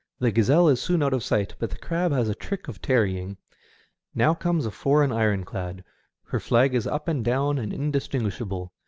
The gazelle is soon out of sight, but the crab has a trick of tarrying. Now comes a foreign ironclad. Her flag is up and down and indistinguishable.